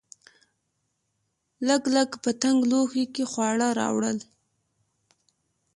لګلګ په تنګ لوښي کې خواړه راوړل.